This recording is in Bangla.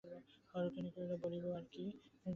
রুক্মিণী কহিল, বলিব আর কী।